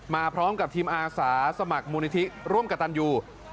มาพร้อมกับทีมอาสาสมัครมูลนิธิร่วมกับตันยู